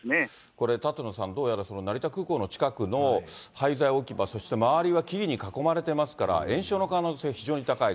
これ、舘野さん、どうやら成田空港の近くの廃材置き場、そして周りは木々に囲まれてますから、延焼の可能性、非常に高い。